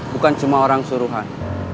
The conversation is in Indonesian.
bukan cuma orang suruhan